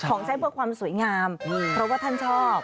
ของใช้เพื่อความสวยงามเพราะว่าท่านชอบ